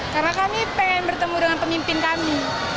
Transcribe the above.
karena kami pengen bertemu dengan pemimpin kami